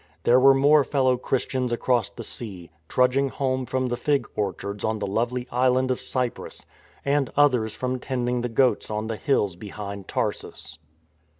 There were more fellow Christians across the sea, trudging home from the fig orchards on the lovely island of Cyprus, and others from tending the goats on the hills behind Tarsus.